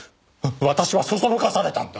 私は唆されたんだ。